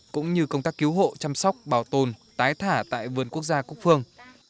cũng như công tác cứu hộ chăm sóc bảo tồn tái thả tại vườn quốc gia cúc phương